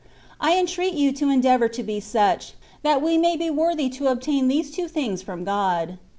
I entreat you to endeavour to be such, that we may be worthy to obtain these two things from Grod.